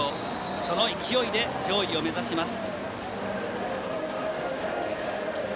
その勢いで上位を目指します。